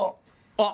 あっ！